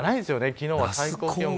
昨日は最高気温が。